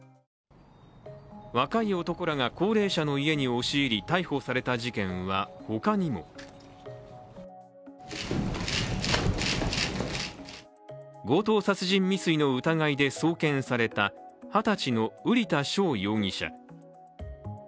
若い男らが高齢者の家に押し入り、逮捕された事件は他にも強盗殺人未遂の疑いで送検された二十歳の瓜田翔容疑者。